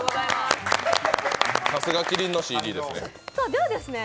さすが麒麟のＣＤですね。